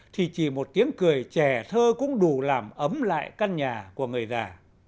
thì chỉ một tiếng cười trẻ thơ cũng đủ làm ấm lại căn nhà của người già